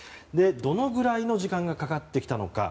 どのぐらいの時間がかかってきたのか。